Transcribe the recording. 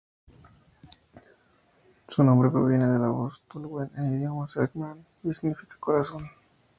Su nombre proviene de la voz "Tol-wen" en idioma selk'nam y significa 'corazón'.